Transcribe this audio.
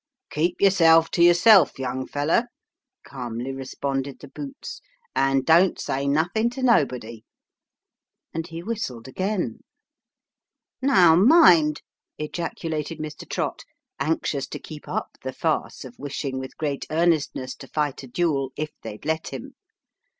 " Keep yourself to yourself, young feller," calmly responded the boots, " and don't say nothin' to nobody." And he whistled again. " Now, mind !" ejaculated Mr. Trott, anxious to keep up the farce of wishing with great earnestness to fight a duel if they'd let him.